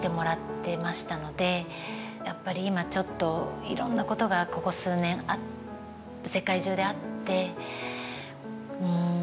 やっぱり今ちょっといろんなことがここ数年世界中であって。